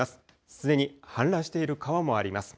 すでに氾濫している川もあります。